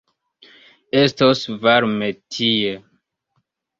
Estos varme tie.